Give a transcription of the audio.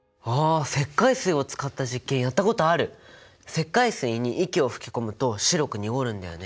石灰水に息を吹き込むと白く濁るんだよね。